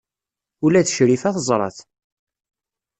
Ula d Crifa teẓra-t.